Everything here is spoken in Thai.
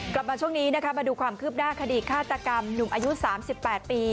กลับมาช่วงนี้นะคะมาดูความคืบหน้าคดีฆาตกรรมหนุ่มอายุ๓๘ปี